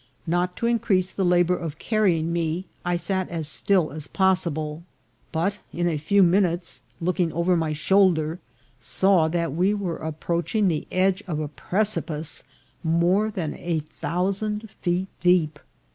Not to increase the labour of carrying me, I sat as still as possible ; but in a few minutes, looking over my shoulder, saw that we were approaching the edge of a precipice more than a thousand feet deep.